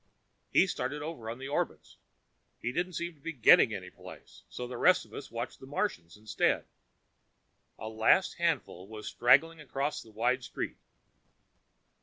He started over on the orbits. He didn't seem to be getting anyplace, so the rest of us watched the Martians instead. A last handful was straggling across the wide street.